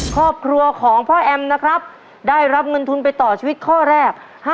ครอบครัวของพ่อแอมนะครับได้รับเงินทุนไปต่อชีวิตข้อแรก